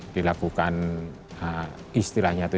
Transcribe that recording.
dilakukan istilahnya itu